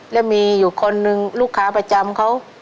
แล้วมีอยู่คนนึงลูกค้าประจำเขา